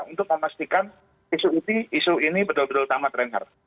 untuk memastikan isu ini betul betul tamat reinhardt